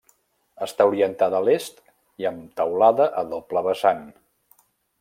Està orientada a l'est i amb teulada a doble vessant.